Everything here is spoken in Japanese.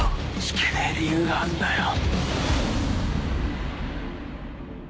引けねえ理由があんだよ。